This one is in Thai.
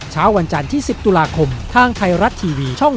เช้าวันจันทร์ที่๑๐ตุลาคมทางไทยรัฐทีวีช่อง๓